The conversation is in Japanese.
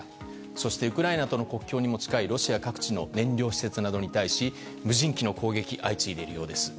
そして、ウクライナとの国境に近いロシア各地の燃料施設などに対し無人機の攻撃が相次いでいるようです。